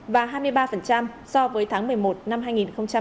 và hai mươi ba so với tháng một mươi một năm hai nghìn hai mươi ba